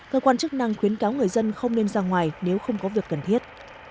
cơ quan chức năng khuyến cáo người dân không nên ra ngoài nếu không có việc cần thiết